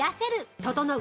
ととのう！